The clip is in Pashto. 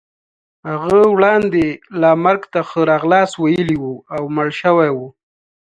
هغه وړاندې لا مرګ ته ښه راغلاست ویلی وو او مړ شوی وو.